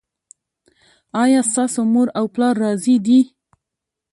ایا ستاسو مور او پلار راضي دي؟